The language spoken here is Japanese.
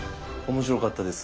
面白かったです。